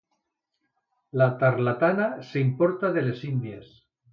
La tarlatana s'importa de les Índies.